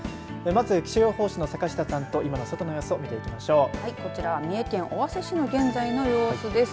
まず気象予報士の坂下さんと今の外の様子を見ていきます。